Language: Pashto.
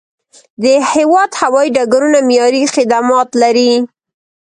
د هیواد هوایي ډګرونه معیاري خدمات لري.